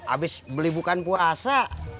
abis beli bukan puasa